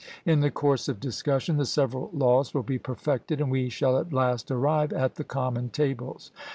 In the course of discussion the several laws will be perfected, and we shall at last arrive at the common tables.